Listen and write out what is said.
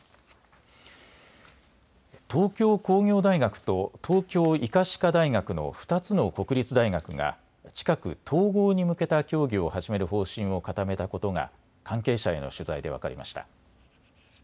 東京工業大学と東京医科歯科大学の２つの国立大学が近く統合に向けた協議を始める方針を固めたことが関係者への取材で分かりました。